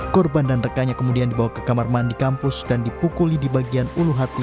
korban dan rekannya kemudian dibawa ke kamar mandi kampus dan dipukuli di bagian ulu hati